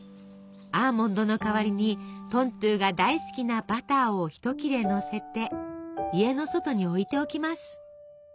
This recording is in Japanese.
アーモンドの代わりにトントゥが大好きなバターをひと切れのせて家の外に置いておきます。